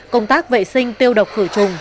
công tác vệ sinh tiêu độc khử trùng